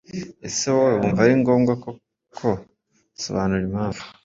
Ese wowe wumva ari ngombwa koko? Sobanura impamvu.